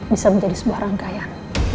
bisa menjadi sebuah rangkaian